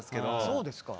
そうですか。